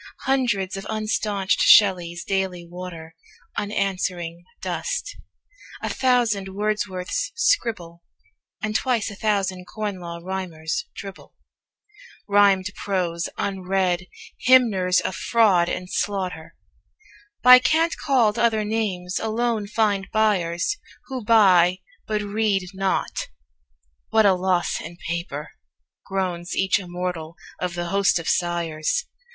Hundreds of unstaunched Shelleys daily water Unanswering dust; a thousand Wordsworths scribble; And twice a thousand Corn Law Rhymers dribble Rhymed prose, unread. Hymners of fraud and slaughter, By cant called other names, alone find buyers Who buy, but read not. "What a loss in paper," Groans each immortal of the host of sighers!